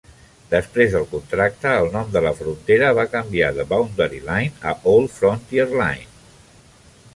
Després del contracte, el nom de la frontera va canviar de Boundary Line a Old Frontier Line.